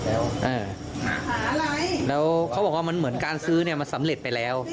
แล้วเขาบอกว่ามันเหมือนการซื้อเนี่ยมันสำเร็จไปแล้ว